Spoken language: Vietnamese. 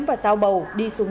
và giao bầu đi xuống